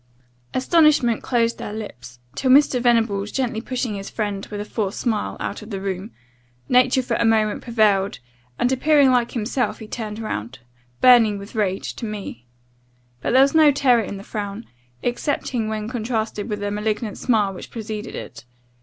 "Astonishment closed their lips, till Mr. Venables, gently pushing his friend, with a forced smile, out of the room, nature for a moment prevailed, and, appearing like himself, he turned round, burning with rage, to me: but there was no terror in the frown, excepting when contrasted with the malignant smile which preceded it.